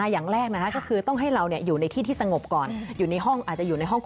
อย่างแรกก็คือต้องให้เราอยู่ในที่ที่สงบก่อน